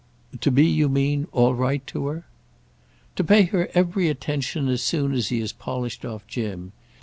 "To be, you mean, all right to her?" "To pay her every attention as soon as he has polished off Jim.